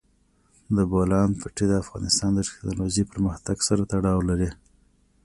د بولان پټي د افغانستان د تکنالوژۍ پرمختګ سره تړاو لري.